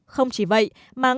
không chỉ vậy mà ngay